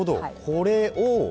これを。